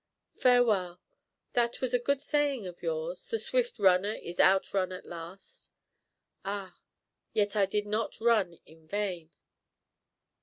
_) "Farewell. That was a good saying of yours the swift runner is outrun at last. Ah! yet I did not run in vain."